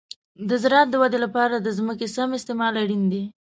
د زراعت د ودې لپاره د ځمکې سم استعمال اړین دی.